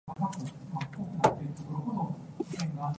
一樽